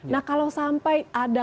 nah kalau sampai ada